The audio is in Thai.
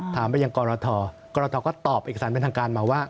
ไปยังกรทกรทก็ตอบเอกสารเป็นทางการมาว่า